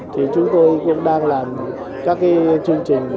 thì chúng tôi cũng đang làm các chương trình